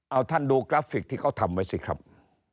เอาท่านดูกราฟิกที่เขาทำไว้สิครับ